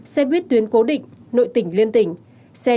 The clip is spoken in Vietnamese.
xe buýt tuyến cố định nội tỉnh liên tỉnh liên tỉnh